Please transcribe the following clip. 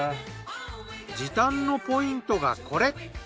時短のポイントがこれ。